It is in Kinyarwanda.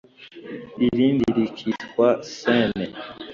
irindi rikitwa sene